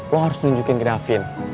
lo harus nunjukin ke raffin